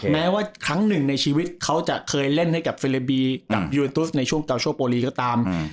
แม้ว่าครั้งหนึ่งในชีวิตเขาจะเคยเล่นให้กับเฟลบีกับยูเอ็นตุสในช่วงเกาโชโปรีก็ตาม